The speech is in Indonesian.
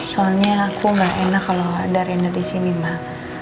soalnya aku gak enak kalau ada rena disini mah